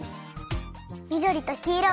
みどりときいろ。